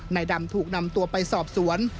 นายดำถูกนำตัวไปสอบสวน